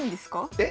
えっ？